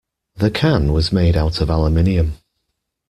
The can was made out of aluminium.